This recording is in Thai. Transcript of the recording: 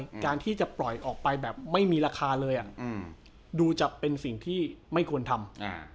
การที่จะปล่อยออกไปแบบไม่มีราคาเลยอ่ะอืมดูจะเป็นสิ่งที่ไม่ควรทำ